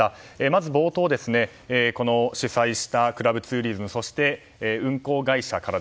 まず冒頭、この主催したクラブツーリズムそして運行会社から